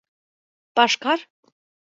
Пашкар?